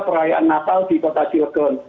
perayaan natal di kota cilegon